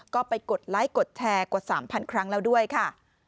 ก็ไปกดไลค์กดแชร์กว่า๓๐๐ครั้งแล้วด้วยค่ะ